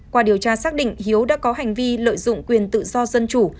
qua điều tra xác định hiếu đã có hành vi lợi dụng quyền tự do dân chủ